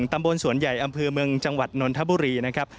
ตำบลสวนใหญ่อำเภอเมืองจังหวัดนนทบุรีนะครับ